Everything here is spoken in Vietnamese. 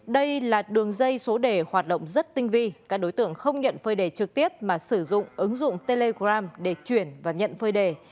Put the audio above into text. đây là đường dây số đề hoạt động rất tinh vi các đối tượng không nhận phơi đề trực tiếp mà sử dụng ứng dụng telegram để chuyển và nhận phơi đề